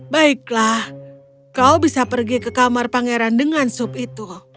baiklah kau bisa pergi ke kamar pangeran dengan sup itu